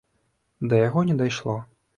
Да яго не дайшло.